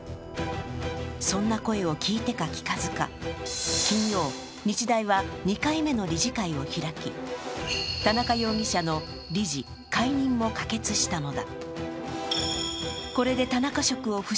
そんな声を聞いてか聞かずか、金曜、日大は２回目の理事会を開き田中容疑者の理事解任を可決したのだ。